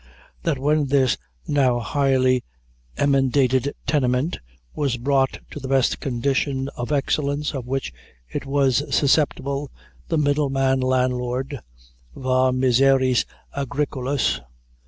That when this now highly emendated tenement was brought to the best condition of excellence of which it was susceptible, the middleman landlord _va miseris agricolis!